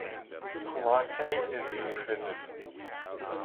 Pilate is imprisoned.